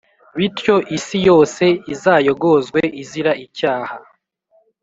bityo isi yose izayogozwe izira icyaha,